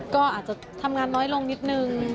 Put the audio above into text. ก็อาจจะทำงานน้อยลงนิดนึง